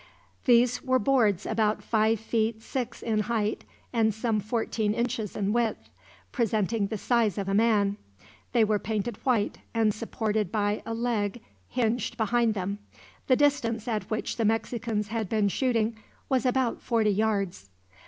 These were boards about five feet six in height, and some fourteen inches in width, presenting the size of a man. They were painted white and supported by a leg hinged behind them. The distance at which the Mexicans had been shooting was about forty yards.